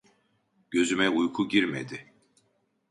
Gözüme uyku girmedi.